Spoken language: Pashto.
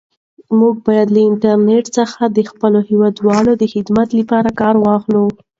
موږ باید له انټرنیټ څخه د خپلو هیوادوالو د خدمت لپاره کار واخلو.